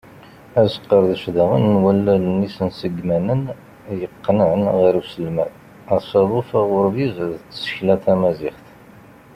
Asqerdec daɣen n wallalen isensegmanen, yeqqnen ɣer uselmed, asaḍuf aɣurbiz d tsekla tamaziɣt.